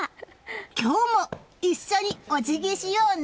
今日も一緒におじぎしようね！